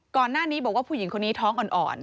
ก่อนหน้านี้บอกว่าผู้หญิงคนนี้ท้องอ่อน